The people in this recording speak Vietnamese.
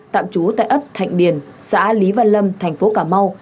tạm trú tại ấp thạnh điền xã lý văn lâm tp cà mau